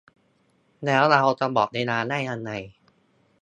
แล้วเราจะบอกเวลาได้ยังไง